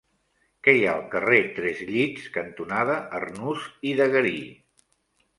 Què hi ha al carrer Tres Llits cantonada Arnús i de Garí?